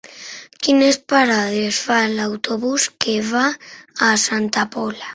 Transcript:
Quines parades fa l'autobús que va a Santa Pola?